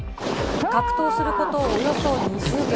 格闘することおよそ２０秒。